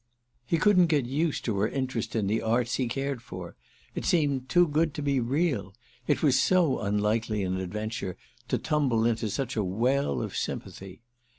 He couldn't get used to her interest in the arts he cared for; it seemed too good to be real—it was so unlikely an adventure to tumble into such a well of sympathy.